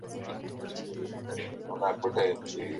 Un día, tras una violenta tormenta, se anunció su muerte.